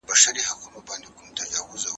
وروستی تعریف د سړي سر حقیقي عاید پر بنسټ ولاړ دی.